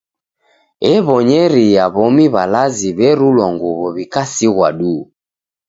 Ebonyeria w'omi w'alazi w'erulwa nguw'o w'ikasighwa duu.